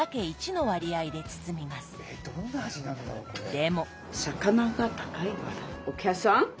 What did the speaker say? でも。